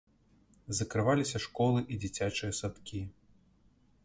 Закрываліся школы і дзіцячыя садкі.